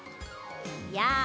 やあ！